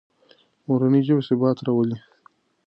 مورنۍ ژبه ثبات راولي.